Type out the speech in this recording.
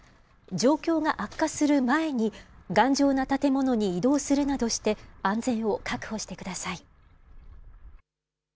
状況が悪化する前に、頑丈な建物に移動するなどして、安全を確保してください。